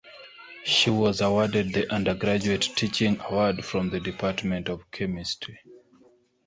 She was awarded the undergraduate teaching award from the Department of Chemistry.